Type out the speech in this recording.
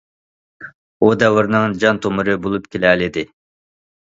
ئۇ دەۋرنىڭ جان تومۇرى بولۇپ كېلەلىدى.